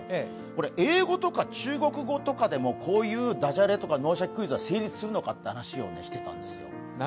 これ、英語とか中国語とかでもこういうだじゃれとか「脳シャキ！クイズ」は成立するのかという話をスタッフとしてたんですよ。